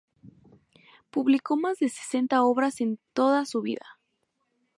Publicó más de sesenta obras en toda su vida.